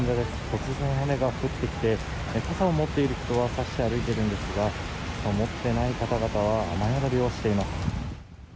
突然雨が降ってきて、傘を持っている人は差して歩いてるんですが、持ってない方々は、雨宿りをしています。